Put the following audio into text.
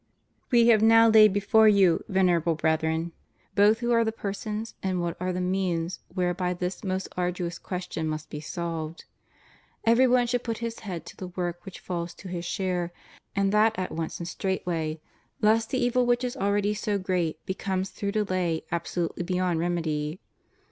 We have now laid before you, Venerable Brethren, both who are the persons and what are the means where by this most arduous question must be solved. Every one should put his hand to the work which falls to his share, and that at once and straightway, lest the evil which is already so great become through delay absolutely beyond remedy.